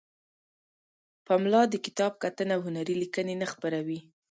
پملا د کتاب کتنه او هنری لیکنې نه خپروي.